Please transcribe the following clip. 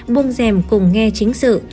bông dèm cùng nghe chính sự